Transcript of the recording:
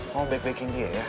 kamu baik baikin dia ya